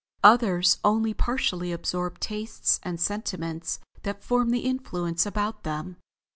Others only partially absorb tastes and sentiments that form the influence about them.